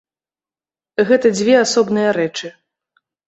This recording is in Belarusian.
Гэта дзве асобныя рэчы.